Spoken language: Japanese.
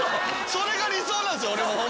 それが理想なんすよ俺も。